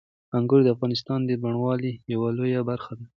انګور د افغانستان د بڼوالۍ یوه لویه برخه ده.